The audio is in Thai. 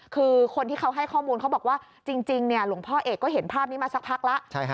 คือคนที่เขาให้ข้อมูลเขาบอกว่าจริงหลวงพ่อเอกก็เห็นภาพนี้มาสักพักแล้ว